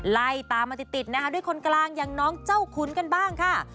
ไล่ตามมาติดนะคะด้วยคนกลางอย่างน้องเจ้าขุนกันบ้างค่ะ